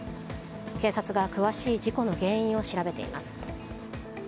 警察が詳しい事故の原因を調べています。